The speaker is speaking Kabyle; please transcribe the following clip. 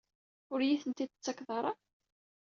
Ur iyi-tent-id-tettakeḍ ara?